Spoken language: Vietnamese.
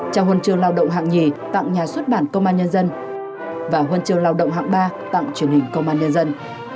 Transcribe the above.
trao huân trường lao động hạng nhì tặng nhà xuất bản công an nhân dân và huân trường lao động hạng ba tặng truyền hình công an nhân dân